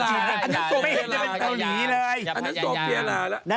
อันนั้นโศกเวลา